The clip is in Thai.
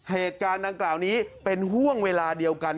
เหตุการณ์ดังกล่าวนี้เป็นห่วงเวลาเดียวกัน